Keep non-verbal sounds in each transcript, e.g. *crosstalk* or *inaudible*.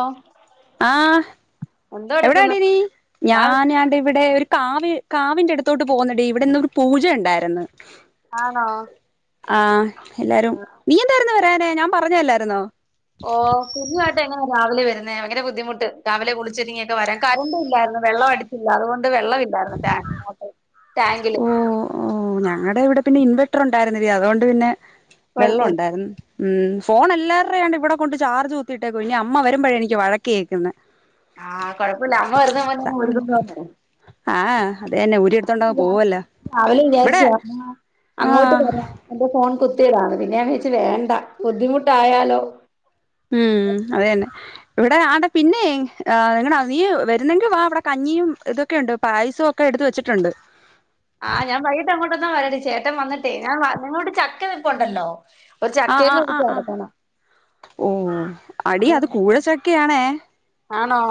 ഓഹ് ആഹ് എടുക്കുന്നു എവിടാടി നീ ഞാൻ ആണ്ടിവിടെ ഒരു കാവ് കാവിന്റെടുത്തോട്ട് പോകുന്നടി ഇവിടിന്നൊരു പൂജയുണ്ടായിരുന്ന് ആണോ ആഹ് എല്ലാരും നീ എന്താരുന്നു *unintelligible* ന് ഞാൻ പറഞ്ഞതല്ലായിരുന്നോ ഓ കുഞ്ഞുവായിട്ട് എങ്ങനെ രാവിലെ വരു ന്നെ ഭയങ്കര ബുദ്ധിമുട്ട് രാവിലേ കുളിച്ചൊരുങ്ങിയൊക്കെ വരാൻ, കറണ്ടില്ലായിരുന്നു, വള്ളം അടിച്ചില്ല, അതുകൊണ്ട് വെള്ളം ഇ ന്തായിരുന്നു *unintelligible* ഓ ഓ ഞങ്ങടെ ഇവിടെ പിന്നെ ഇൻവർട്ടർ ഉണ്ടായിരുന്നെടി അതോണ്ട് പിന്നെ കുഴപ്പമില്ല വെള്ളൊണ്ടായിരുന്ന് ഉം ഫോൺ എല്ലാരുടെണ്ട് ഇവടെ കൊണ്ട് ചാർജ് കുത്തിയിട്ടേക്കുവാ ഇനി അമ്മ വരുമ്പഴാ എനിക്ക് വഴക്ക് കേൾക്കുന്നേ. ആഹ് കുഴപ്പമില്ല അമ്മ വരുന്ന മുന്നേ ഒരുങ്ങും. ആഹ് അതന്നെ ഊരി എടുത്തോണ്ടാ രാവിലെ വിചാരിച്ചു *unintelligible* അങ്ങോട്ട് ആഹ് വരാ എന്റെ ഫോൺ കുത്തി ഇടാന്ന് പിന്നെ ഞാൻ വിചാരിച്ചു വേണ്ട ബുദ്ധിമുട്ടായാലോ ഉം അതന്നെ ഇവിടെ ആണ്ടെ പിന്നെയ് ഏഹ് എങ്ങനാ നീ വരുന്നെങ്കി വാ ഇവടെ കഞ്ഞിയും ഇതൊക്കെയുണ്ട് പായസൊക്കെ എടുത്തു വെച്ചിട്ടുണ്ട്. ഇപ്പൊ തന്നെ വെരാടി ചേട്ടൻ വന്നിട്ടേ ഞാൻ വ നിങ്ങൾടെ വീട്ടി ചക്ക നിപ്പൊണ്ടല്ലോ ആഹ് ആഹ് ആഹ് ആഹ് ഓ അടി അപ്പൊ അത് ഞാൻ കൂഴച്ചക്കയാണേ ആണോ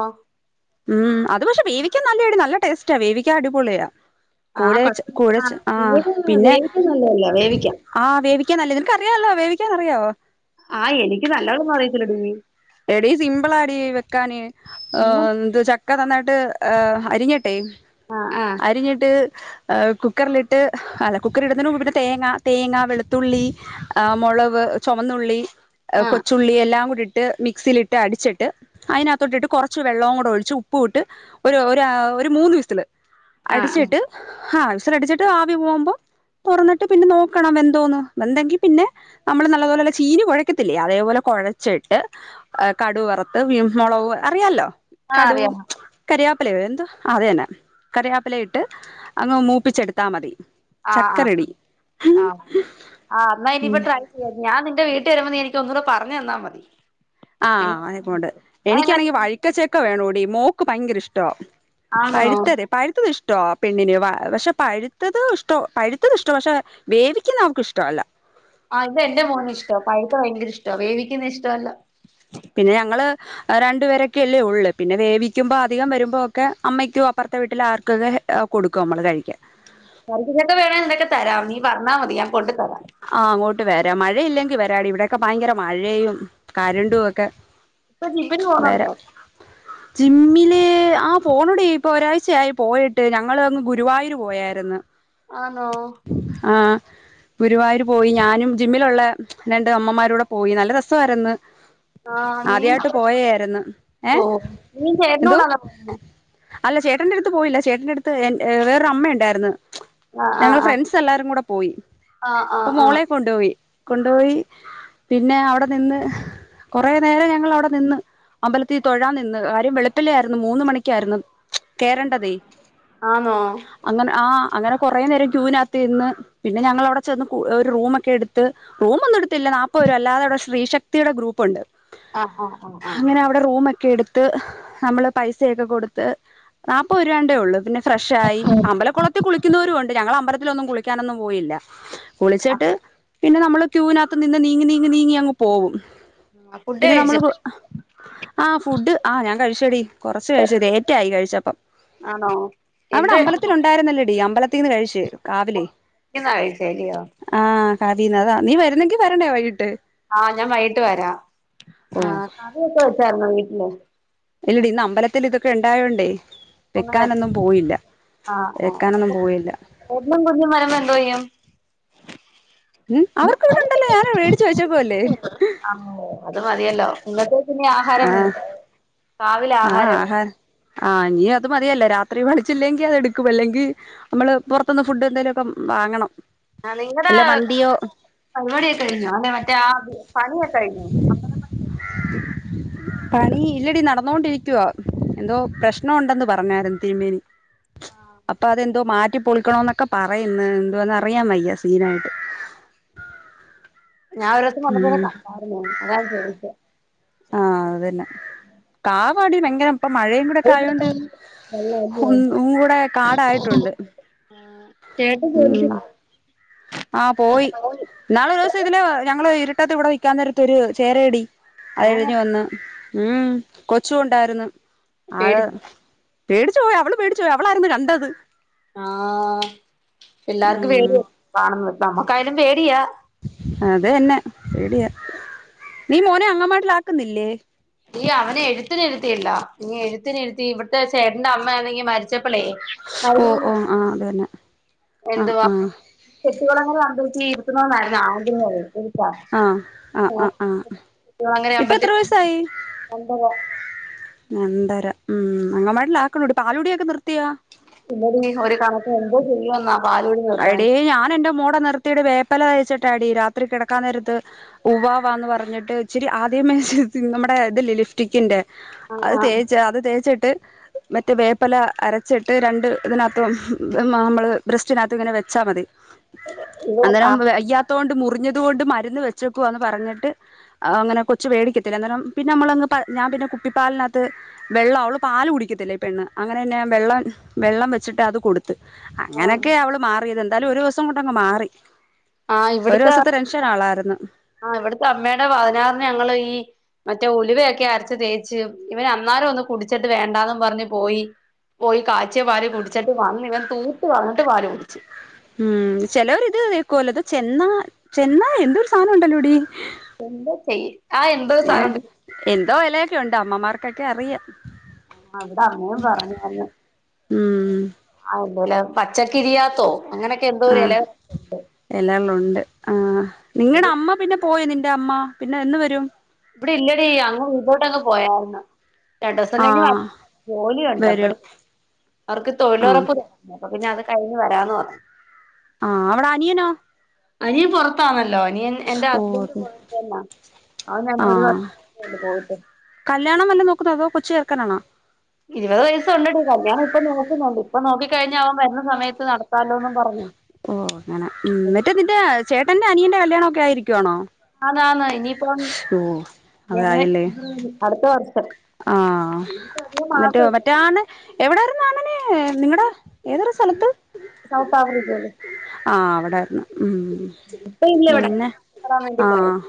ഉം അ അത് പക്ഷേ വേവിക്കാൻ നല്ലായടി നല്ല ടെസ്റ്റാ വേവിക്ക അടിപൊളിയാ ആ കൂടെ ച കൊഴപ്പ കൂടെ ആ ച ആഹ് പൂവന് പിന്നെ വേവിക്കാൻ നല്ലതല്ലേ വേവിക്കാം ആഹ് വേവിക്കാൻ നല്ല നിനക്ക്റിയല്ലോ വേവിക്ക പിക്കാ അറിയാവോ ആഹ് എനിക്ക് നല്ലവണം അറിയത്തില്ല ഡി എടി സിംമ്പിലാടി ഒന്നും വെക്കാന്എന്ത് ചക് ഒക്കെ നന്നായിട്ട് ഏഹ് അരിഞ്ഞിട്ടെ ആ ആ അരിഞ്ഞിട്ട് ഏഹ് കുക്കറ്ല്ട്ട് അല്ല കുക്കറി ഇടുന്ന മുമ്പ് തേങ്ങ തേങ്ങ വെളുത്തുള്ളി ആഹ് മുളവ് ചുമന്നുള്ളി ഏഹ് ആ കൊച്ചുള്ളി എല്ലാം കൂടി ട്ട് മിക്സിയിലിട്ട് അടിച്ചിട്ട് അതിനകത്തോട്ടിട്ട് കുറച്ച് വെള്ളവും കൂടി ഒഴിച്ച് ഉപ്പ് വിട്ട് ഒരു ഒരു മൂന്ന് വിസില് ആ അടിച്ചിട്ട് ആഹ് വിസലഅടിച്ചിട്ട് ആവി പോകുമ്പോ തുറന്നിട്ട് പിന്നെ നോക്കണം വെന്തോന്ന് വെന്തെങ്കിൽ പിന്നെ നമ്മള് നല്ല പോലെ ചീനി കുഴക്കത്തില്ലേ അതേപോലെ കുഴച്ചിട്ട് കടു വറുത്ത് വി മുളക് അറിയാലോ ആ കടൂവ് അറിയാം കാരിയാ ആപ്പലോ എന്ത് അത് തന്നെ കറി വാപ്പില ഇട്ട് അങ്ങ് മൂപ്പിച്ചെടുത്താ മതി ആഹ് ചക്ക ആഹ് റെഡി ആഹ് ആഹ് എന്നാ ഇനിപ്പ ട്രൈ ചെയ്യ ഞാ നിന്റെ വീട്ട് ട്ടിൽ വരുമ്പോ എനിക്ക് ഒന്നുടെ പറഞ്ഞു തന്നമതി ആഹ് അതക്കൊണ്ട് എനിക്കാണെങ്കിൽ വര്ക്കച്ചെക്ക വേണൂടി മോക്ക് ഭയങ്കര ഇഷ്ടവാ ആണോ പായുത്തത് പായുത്തത് ഇഷ് ഇഷ്ടോ പെണ്ണിനന് പക്ഷെ പഴുത്തത് ഇഷ്ടോ പഴുത്തത് ഇഷ്ട പക്ഷെ വേവിക്കുന്ന അവർക്ക് ഇഷ്ട അല്ല ആഹ് ഇത് എൻന്റെ മോന് ഇഷ്ട പഴതെ ഭയങ്കര ഇഷ്ട വേവിക്കന്ന ഇഷ്ടമല്ല പിന്നെ ഞങ്ങള് രണ്ടുപേരക്കെയല്ലേ ഉള്ളള് പിന്നെ വേവിക്കുമ്പോ അധികം വരുമ്പോ ഒക്കെ അമ്മയ്ക്കും അപ്പുറത്തെ വീട്ടിൽ ആർക്കൊക്കെ കൊടുക്കും നമ്മള് കഴിക്കാന് *unintelligible* വേണ എന്തൊക്കെ തരാം നീ പറഞ്ഞാ മതിയ ആഹ് അങ്ങോട്ട് വെ മഴയില്ലെങ്കി വരാടി ഇവിടെയൊക്കെ ഭയങ്കര മഴയും കരണ്ടും ഒക്കെ ഇപ്പൊ ജീമ്ന് പോണണ്ടോ ജിമ്മിൽ ആഹ് പോണൂടി ഇപ്പോൾ ഒരാഴ്ചയായി പോയിട്ട് ഞങ്ങൾ ങ് ഗുരുവായൂർ പോയായിരുന്നു ആണോ ആ ഗുരുവായൂര് പോയി ഞാനും ജിമ്മിലൊള്ള രണ്ട് അമ്മമാരൂടെ പോയി നല്ല രസവാര്ന്ന് ആ ആദ്യായിട്ട് പോയായിര്ന്ന് ഏഹ് ഓ നി ചേട്ടന്റൂടണ പോ അല്ല ചേട്ടന്റെ അടുത്ത് പോയില്ല ചേട്ടന്റെ അടുത്ത് വേറൊരമ്മ ഇണ്ടാര്ന്ന് ആ ആ ഞങ്ങൾ ആ ഫ്രണ്ട്സെല്ലാരും കൂടെ പോയി ആ ആ അപ്പൊ ആ മോളെ കൊണ്ടുപോയി കൊണ്ടുപോയി പിന്നെ അവടെ നിന്ന് കുറേനേരം ഞങ്ങൾ അവടെ നിന്ന് അമ്പലത്തി- തൊഴാനിന്ന് കാര്യം വെളപ്പില്ലെയാര്ന്ന് മൂന്ന് മണിക്ക്യാര്ന്ന് കേറണ്ടതെ ആണോ അങ്ങനെ ആഹ് അങ്ങനെ കൊറേനേരം ക്യൂനാത് ന്ന് പിന്നെ ഞങ്ങൾ അവിടെ ചെന്ന് കു ഒരു റൂമൊക്കെ എട്ത്ത് റൂമൊന്നും എടുത്തില്ല നാപ്പരു അല്ലാതെ അവിടെ ശ്രീശക്തിടെ ഗ്രൂപ്പൊണ്ട് ആഹ് ആഹ് ആഹ് ആഹ് എടുത്ത് നമ്മള് പൈസയൊക്കെ കൊടുത്ത് നാപ്പരുരാണ്ടേ ഒള്ളൂ പിന്നെ ഫ്രഷായി അമ്പലക്കൊളത്തി കുളിക്കുന്നോരുവൊണ്ട് ഞങ്ങളമ്പലത്തി- ലൊന്നും കുളിക്കാനൊന്നും പോയില്ല കുളിച്ചെട്ട് പിന്നെ നമ്മള് ക്യൂവിനാത്ത് നിന്ന് നീങ്ങി നീങ്ങി നീങ്ങി അങ്ങ് പോവും ആഹ് പിന്നെ ഫുഡ്ഡഴിച്ചൊ നമ്മള് ആ ഫുഡ് ആഹ് ഞാൻ കഴിച്ചടി കുറച്ച് കഴിച്ച് ലേറ്റായി കഴിച്ചപ്പം ആണോ എന്ത് അവടെ അമ്പലത്തിൽ കഴിച്ചെന്നാ ഒണ്ടായിരുന്നല്ലടി അമ്പ-ല തീന്ന്കഴിച്ച് കാവിലെ കഴിച്ചേ അല്ലയോ ആഹ് കാവിന്നതാ നി വരുന്നെങ്കി വരണെ വൈകിട്ട് ആഹ് ഞാൻ വൈയ്യിട്ട് വരാ ഓ ആഹ് കറിയൊക്കെ വെച്ചാര്ന്നൊ നി ഇല്ലെ ഇല്ലടി ഇന്ന് അമ്പലത്തിൽ ഇതൊക്കെ ഇണ്ടായോണ്ടെ ഒന്നുവര് ആഹ് വെക്കാനൊന്നും ആഹ് പോയില്ല പൊന്നും കുഞ്ഞും വരുമ്പൊ എന്തോയ്യും ഉം അവർക്ക് ഇവിടെ ഉണ്ടല്ലോ ഞാൻ മേടിച്ചു വെച്ചേക്കുവ അല്ലേ ആഹ് അത് മതിയല്ലോ എന്നിട്ട് പിന്നെആഹാരം ആഹ് കഴിക്കാവൊ ആഹ് ആഹാര- ആഹ് നിഅത് മതിയല്ല രാത്രി വളിച്ചില്ലെങ്കി അത് എടുക്കും അല്ലെങ്കി മ്മള് പോറത്തൂന്ന് ഫുഡ് എന്തേലൊക്കെ വാങ്ങണം ആഹ് നിങ്ങടെ വല്ല മന്തിയോ പരുവാടിക്കെ കഴിഞ്ഞൊ അല്ലെ മറ്റെ ആ പണിയൊക്കെ കഴിഞ്ഞൊ അമ്പലമ്പണി- പണി ഇല്ലടി നട- ന്നോണ്ടിരിക്കുവ എന്തോ പ്രശ്നോണ്ടെന്ന് പറഞ്ഞാര്ന്ന് തിരുമേനി ആഹ് അപ്പൊ അതെന്തോ മാറ്റ- റ്റി പൊളിക്കണോ എന്നൊക്കെ പറയുന്ന് എന്തുവന്ന് അറിയാം വയ്യ സീനായിട്ട് ഞാൻ ഓരോസം വന്നപേരെ ഉം കണ്ടായിരുന്നു അതാനാ ചോദിച്ച ആ അതന്നെ കാവാടി ഭയങ്കരം ഇപ്പൊ മഴയും വെള്ളം കൂടെക്കെയോണ്ട് ഉ അല്ലയോ? ഒന്നുടെ കാടായിട്ടുണ്ട് ആ ചേട്ടൻ ജോലിക്ക് ഉം ആ പോയി ന്നാളോ ഒരു ദിവസം ഇതിലെ ഞങ്ങള് ഇരു മുറ്റത്ത് ഇവിടെൽക്കാന്നൊരത്ത ഒരു ചേരടി അത് ആഹ് എഴിഞ്ഞു വന്ന് ഉം കൊച്ചു ഉണ്ടായിരുന്നു ആ പേടിച്ച് പേടിച്ചോയി അവള് പേടിച്ചപോയി അവളായിരുന്നു കണ്ടത് ആഹ് എല്ലാര്ക്ക് ഉം വേര് കാണ്ന്നു നമ്മുക്കായാലും പേടിയാ അതന്നെ പേടിയ നീ മോനെ അങ്ങമായിട്ടില ആക്കുന്നില്ലേ ഈ അവനെ എഴുത്തിന് ഇരുത്തിയില്ല ഇനി എഴുത്തിനിരിത്തി ഇവിടുത്തെ ചേട്ടന്റെ അമ്മെണെങ്കി മരിച്ച ഓ ഓ ആ അതെന്നെ എന്തുവാ ചെട്ടളങ്ങ തീർത്തണരുന്നു ആഹ് ആഹ് ആഹ് ആഹ് ആഗ്രഹ ഇപ്പ എത്ര വയസ്സായി *unintelligible* രണ്ടര ഉം അങ്ങവാടിയിലൊക്കെ ആക്കൂടി പാലൂടിയൊക്കെ നിർത്തിയ പിന്നോടി ഒരു കണക്ക എന്തോ ചെയ്യോ എന്നാ അയെടീ ഞാൻ എന്റെ മൂടെ നിർത്തിടെ വേപ്പല തേച്ചെട്ട് ടി രാത്രി കിടക്കാൻ നേരത്ത് ഉവാവെ എന്ന് പറഞ്ഞിട്ട് ഇച്ചിരി ആദ്യ നമ്മുടെ ഇത് ല്ലെ ലിഫ്റ്റിക്കിന്റെ ആ അത് ആ തേച്ച അത് തേച്ചട്ട മറ്റ വേപ്പല അരച്ചിട്ട് രണ്ടിതികത് നമ്മൾ തിനകത്ത് ഇങ്ങനെ വെച്ചാ മതി ഇവ ആ അന്നേരം അയ്യാത്തോണ്ട് മുറിഞ്ഞ അതുകൊണ്ട് മരുന്ന് വെച്ചക്കുവ എന്ന് പറഞ്ഞിട്ട് അങ്ങനെ കൊച്ച് വേടിക്കത്തില്ല അന്നേരം പിന്നെ നമ്മൾ ഞാൻ പിന്നെ കുപ്പിപ്പാലിനകത്ത് വെള്ളം അവള് പാല് കുടിക്കത്തില്ലേ പെണ് അങ്ങനെ തന്നെ വെള്ളം വെള്ളം വെച്ചിട്ട് അത് കൊടുത്ത് അങ്ങനെ ഒക്കെ അവൾ മാറിയത് എന്തായാലും ഒരു ദിവസം കൊണ്ടങ്ങ് മാറി ആഹ് ഒരു ഇവിടുത്തെ ദിവസത്തെ ടെൻഷൻ ആളായിരുന്നു ആ ഇവിടുത്തെ അമ്മയുടെ പതിനാറിന് ഞങ്ങള് ഈ മറ്റേ ഉലുവയൊക്കെ അരച്ച തേച്ച് ഇവൻ അന്നേരം ഒന്ന് കുടിച്ചിട്ട് വേണ്ടാന്നും പറഞ്ഞ് പോയി പോയി കാച്ചിയ പാല് കുടിച്ചിട്ട് വന്ന് ഇവൻ തൂത്തു വന്നിട്ട് പാല് കുടിച്ചു ഉം ചെലോർ ഇത് വെകൊലത് ചെന്നാ ചെന്നാ എന്തൊരു സാനം ഉണ്ടല്ലോടി എന്താ ചെയ്യ ആഹ് എന്തോ ഏ സാധനണ്ട് എന്തോ വലയൊക്കെ ഉണ്ട് അമ്മമാർ ഒക്കൊക്കെ അറിയാം ആഹ അവിടെ അങ്ങനേും പറഞ്ഞന്ന് ഉം അതല്ല പച്ചക്കിരിയാത്തോ അങ്ങനെയൊക്കെ എന്തോ ഒരു ഇല ആഹ് എല്ല ഉണ്ട് ആഹ് നിങ്ങടെ അമ്മ പിന്നെ പോയ നി ന്റെ അമ്മ പിന്നെ എന്നന്ന് വരും ഇവിടെ ഇല്ലടി അങ്ങ് ഇീതോട്ട്ങ് പോയര്ന്ന് രണ്ട് ആ ദിവസം ജോലിയ ഉണ്ട് അപ്പഴ വരും അവർക്ക് ആ തൊഴിലുറപ്പ് അപ്പൊ പിന്നെ അത് കഴിഞ്ഞ് വരാന്ന് പറന്ന് ആഹ് അവിടെ അനിയനോ അനിയൻ പുറത്താന്നല്ലോ നീൻ എറെ ഓ ഹസ്ബന്റ് അത് കൊറ തന്ന ആഹ് ഞാൻ ആ ഒരു വർഷന്ന് പോയിട്ട് കൊതോ കൊച്ചേറ്ക്കനാ നൊ ഇരുപത് വയസ്സുണ്ട്ടി കല്യാണം ഇപ്പൊ നോക്കുന്നൊണ്ട് ഇപ്പൊ നോക്കി കഴിഞ്ഞ ആകുമ്പോ എന്ന സമയത്ത് നടത്താലോന്നും പറഞ്ഞു ഓ ഞ മറ്റേതിന്റെ ചേട്ടൻ അഹ് അനിയന്റെ കല്യാണം ഒക്കെ ആയിരിക്ക ആണോ ആന്ന് ആന്ന് ഇനിയിപ്പം ജനുവരി ഫെബ്രുവരി അടുത്ത വർഷം ആഹ് ഇനിയിപ്പ അധികം എന്നിട്ട് മാസമില്ല മറ്റാണ് എവിടെ അങ്ങനെ നിങ്ങളടെ ഏതൊരു സ്ഥലത്ത് സൗത്ത് ആഫ്രിക്കയില് ആവടെ ഉണ്ടാരണം ഉം ഇപ്പ ഇല്ല ഇവിടെ പിന്നെ വരാൻ വേണ്ടി പോയത് ആഹ്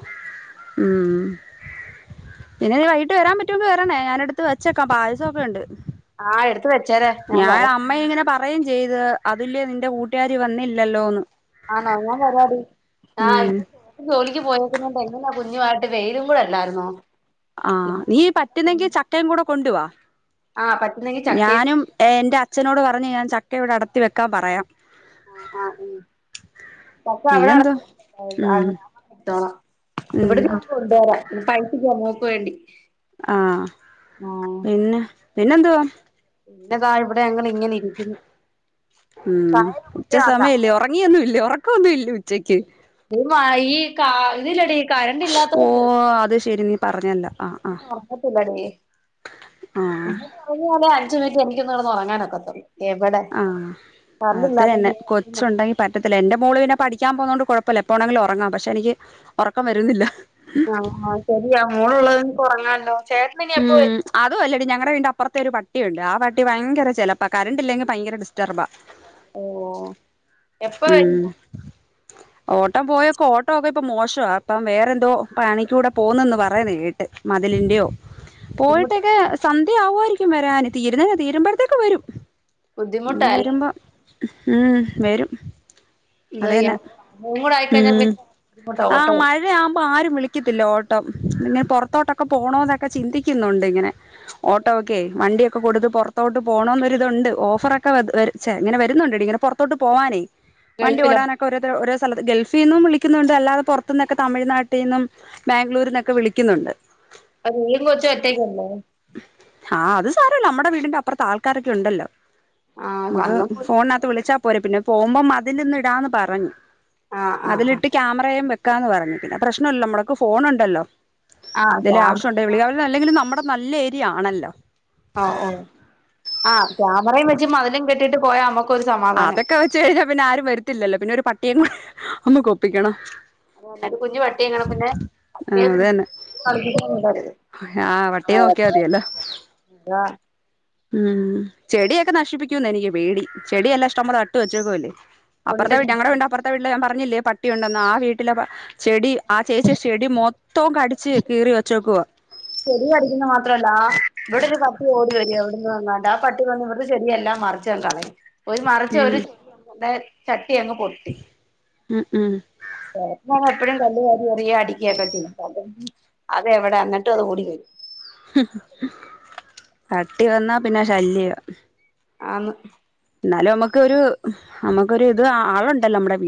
ഉം പിന്നെ വൈകിട്ട് വരാൻ പറ്റ ഏറ് വേറണേ ഞാനടുത്ത് വെച്ചേക്കാം പായസെക്കെ ഉണ്ട് ആഹ് വെച്ചേരെ ഞാൻ വരാം അമ്മ ഇങ്ങനെ പറയും ചെയ്ത് അതില്ലേ ഇന്റെ കൂട്ടുകാരി വന്നില്ലല്ലോന്ന് ആണാ ഞൻ വരാടി ആഹ് ഉം ശം ജോലിക്ക് പോയേക്കണ്ട് എങ്ങനെയാ *unintelligible* വെയിലും കൂടെ അല്ലാരുന്നോ ആഹ് നീ പറ്റുന്നെങ്കി ചക്കയും കൂടെ കൊണ്ടുവാ ആഹ് പറ്റുന്നെങ്കി ചക്കയും ഞാനും എന്റെ അച്ഛനോട് പറഞ്ഞു ഞാൻ ചക്ക ഇവിടെ അടത്തി വെക്കാൻ പറയാം. ആഹ് ആഹ് മ്ഹ്, പക്ഷെ അവിടെ പിന്നെന്തോ ഉം ഉം *inaudible* കൊണ്ടുവരാം പൈസ *unintelligible* വേണ്ടി ആഹ് പിന്ന പിന്നെന്തുവാ? *unintelligible* താഴെ ഇവിടെ അങ്ങനെയ് ഉ ചായയൊക്കെ ഉച്ച കുടിക്കാ സമയല്ലേ ഉറങ്ങിയൊന്നും ഇല്ല ഉറ ഒന്നുമ ഇല്ല ഉച്ചയ്ക്ക് വാ ഈ കാ ഇതില്ലെടി കരണ്ട് ഇല്ലാത്തണ്ട് പറഞ്ഞല്ല ഉഓക്കത്തില്ലഡി ആഹ് ഉഞ്ഞാല ച എിക്കൊന്നന്ന് നടന്ന്റങ്ങാനൊക്കത്തുള്ളൂ ആഅത്ന്നെ ഇല്ലാത്തോണ്ട് കൊച്ചുണ്ടെങ്കി പറ്റത്തില്ല എന്റെ മോള് പിന്നെ പഠ ാൻ പോകത കൊണ്ട് കുഴപ്പമില്ലപ്പോഴണെിലും ഉറങ്ങാം പക്ഷെ എനിക്ക് ഉറക്കം വരുന്നില്ല ആഹ ആ ശരിയാ മോളുള്ളതും കുറങ്ങ ഉം അതും അല്ലടി ഞങ്ങളടെ വീണ്ട അപ്പുറത്തെ ഒരു പ പട്ടിയ ഉണ്ട് ആ പട്ടി ഭയങ്കര ചിലപ്പോപ്പ കറണ്ട് ഇല്ലെങ്കിൽ ഭയങ്കര ഡിസ്റ്റർബാ ഓ എപ്പ ഉം വരമ്പോ ഓട്ടം പോയൊക്കെ ഓട്ടോ ഒക്കെ ഇപ്പ മോശം അപ്പം വേറെന്തോ പണിക്കൂടെ പോകുന്നുന്ന് പറയത് കേട്ട് മതിലിന്റെയോ ബുദ്ധിമുട്ട പോയിട്ടൊക്കെ സന്ധ്യ ആവുമായിരിക്കും വരാന് തീരുന്ന തീരുമ്പോഴത്തേക്കെ വരും ഇനി ബുദ്ധിമുട്ടായില്ല വരുമ്പോ ഉം വരും എന്തയ്യ അതന്നെ കൂടയിക്കഴിഞ്ഞ ഉം പിന്നെുട്ട ഓട്ടോ വിളിക്കതില്ല ഓട്ടോ ഇ പുറത്തോട്ടൊക്കെ പോണോൊെ ഒക്കെ ചിന്തിക്കുന്നുണ്ട് ഇങ്ങനെ ഓട്ടോ ഓക്കെ വണ്ടിയക്കെ ഒക്കെ കൊടുത്ത് പുറത്തോട്ട് പോകണംമൊരിതുണ്ട് ഓഫറൊക്കെ വച്ചേ ഇങ്ങനെ വരുന്നുണ്ട് ഇട ഇങ്ങെ പുറോട്ട് പോവാനേ വണ്ടി ഗൾഫിലോ ഓടാനക്ക ഒരു ഗൾഫിൽ നിന്നും വിളിക്കുന്നുണ്ട് അല്ലാതെ പുറത്തു നിന്നൊക്കെ തമിഴ്നാട്ടിൽ നിന്നുംാംഗ്ലൂരിൽ നിന്നൊക്കെ വിളിക്കുന്നുണ്ട് അ നീും കൊറച്ച വറ്റേക്കല്ലേ ആഹ് അത് സാാരമല്ലോ നമ്മടെ വീടിന്റെ അപ്പുറത്ത് ആൾക്കാരൊക്കെ ഉണ്ടല്ലോ ആ നമുക്ക് വന്നു ഫോണിനകത്ത് വിളിച്ചാൽ പോരെ പിന്നെ പോകുമ്പം അതിൽ നിന്ന ഇടാന്ന് പറഞ്ഞു ആ ആ അതിലിട്ട് ക്യാമറയും വെ ക്കാന്ന് പറഞ്ഞു പിന്നെ പ്രശ്നമല്ലോ നമ്മക്ക് ഫോണുണ്ടല്ലോ എന്തേലും ആഹത ആവശ്യം ഉണ്ടേ അല്ലെങ്കിലും നമ്മടെ നമ്മടെ നല്ല ഏരിയ ആണല്ലോ ഓ ഓ ആഹ് ക്യാമറയും വെച്ച് മതിലും കെട്ടിട്ട് പോയാ നമ്മക്ക് അതൊക്കെ വെച്ച് കഴിഞ്ഞാൽ പിന്നെ ആരും വത്തില്ലോ പിന്നെ ഒരു പട്ടിയങ്ങ ഒന്ന് കൊപ്പിക്കണ അ എന്നട്ട കുഞ്ഞു പട്ടി എങ്ങണ പിന്നെ ആ അത് തന്നെ പണ്ടരുത് ആ പട്ടിയെ നോക്കിയാ മതിയല്ലോ ഉം ചെടിയൊക്കെ നശിപ്പിക്കുന്നു എനിക്ക് പേടി ചെടിയെല്ല ഇഷ്ടം പോലെ നട്ട് വെച്ചേക്കല്ലേ കൊണ്ട് അപ്പറത്തെ വീട്ടി ഞങ്ങടെ വീടിൻ്റെപ്പുറത്തെ വീട്ടില് ഞാൻ പറ പറഞ്ഞില്ലേ പട്ടിയുണ്ടെന്നോ ആ വീട്ടിലെ ചെടി ആ ചേച്ചി ചെടി മൊ ത്തം കടിച്ച് കീറി വച്ചോക്കുവവാ ചെടി കടിക്കുന്ന മാത്രമല്ല ആ ഇവിടരു പട്ടി ഓടി വരും എവിടന്ന് വന്ന ആ പട്ടി വന്ന് ഇവിടുടെ ചെരിിയ എല്ലാം മറിച്ച കൊണ്ടാണി ഒരു മറിച്ച് ഉം ഒരുയത് ചട്ടി ട്ടിയങ്ങ് പൊട്ടി ഉം ഉം എപ്പോഴും കല്ലുവാരി എറിയ അടിക്കയ ഒക്കേ ചെയ്യും അത എവിടെ എന്നിട്ട് ട്ടത് ഓടിവരും പട്ടി വന്നാ പിന്നെ ശല്യ ആന്ന് എന്നാലും നമ്മുക്കൊരു നമ്മുക്കൊരു ഇത് ആളുണ്ടല്ലോ നമ്മടെ വീ